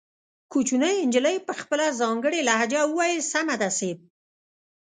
کوچنۍ نجلۍ په خپله ځانګړې لهجه وويل سمه ده صيب.